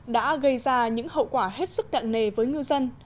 đã gây ra những hậu quả hết sức nặng nề với ngư dân